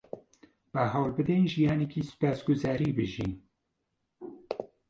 با هەوڵ بدەین ژیانێکی سوپاسگوزاری بژین.